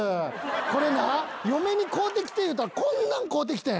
これな嫁に買うてきて言うたらこんなん買うてきてん。